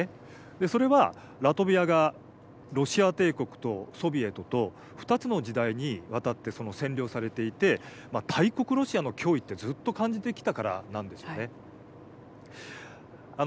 それはラトビアがロシア帝国とソビエトと２つの時代にわたって占領されていて大国ロシアの脅威ってずっと感じてきたからなんですよね。